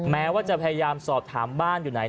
แม้ว่าจะพยายามสอบถามบ้านอยู่ไหน